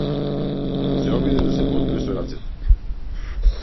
Се обиде да се потпре со рацете.